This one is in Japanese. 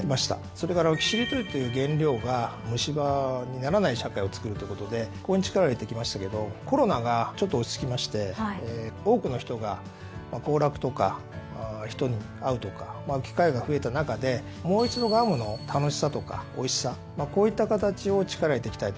それからキシリトールという原料が虫歯にならない社会をつくるということでここに力を入れてきましたけどコロナがちょっと落ち着きまして多くの人が行楽とか人に会うとか機会が増えた中でもう一度ガムの楽しさとかおいしさこういった形を力入れていきたいと。